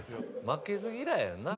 負けず嫌いやろな。